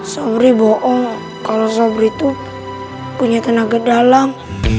sobri bohong kalau sobri itu punya tenaga dalang